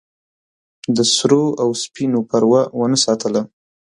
د سرو او سپینو پروا ونه ساتله.